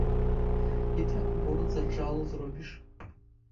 Не так борзда джалу зробіш.